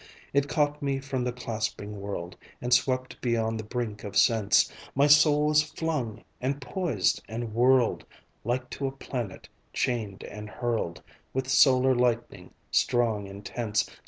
It caught me from the clasping world, And swept beyond the brink of Sense, My soul was flung, and poised, and whirled, Like to a planet chained and hurled With solar lightning strong and tense.